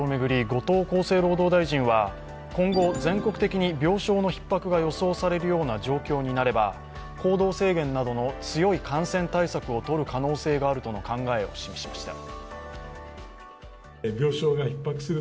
後藤厚生労働大臣は、今後全国的に病床のひっ迫が予想されるような状況になれば、行動制限などの強い感染対策をとる可能性があるとの考えを示しました。